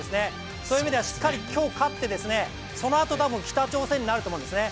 そういう意味では、しっかり今日、勝って、そのあと北朝鮮になると思うんですね。